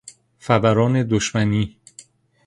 فوران دشمنی